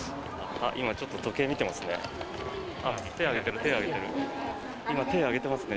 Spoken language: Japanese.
今、ちょっと時計を見ていますね。